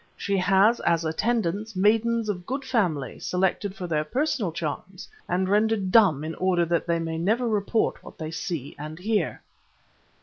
She has, as attendants, maidens of good family, selected for their personal charms, and rendered dumb in order that they may never report what they see and hear."